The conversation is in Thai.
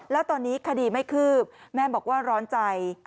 แล้วตอนนี้คดีไม่คืบแม่บอกว่าร้อนใจ